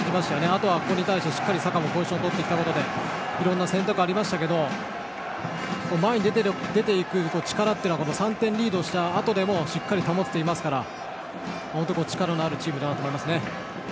あとはここに対して、しっかりサカもポジションをとったことでいろいろな選択がありましたけど前に出ていく力は３点リードのあとでも保てているので力のあるチームだと思います。